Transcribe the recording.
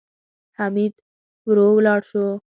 حميد ورو ولاړ شو.